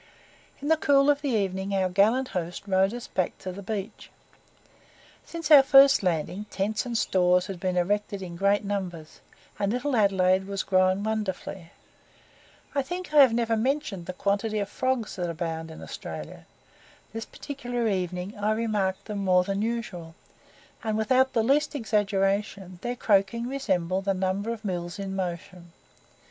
In the cool of the evening our gallant host rowed us back to the beach. Since our first landing, tents and stores had been erected in great numbers, and Little Adelaide was grown wonderfully. I think I have never mentioned the quantity of frogs that abound in Australia. This particular evening I remarked them more than usual, and without the least exaggeration their croaking resembled a number of mills in motion.